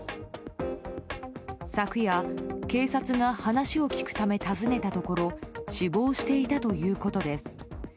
昨夜、警察が話を聞くため訪ねたところ死亡していたということです。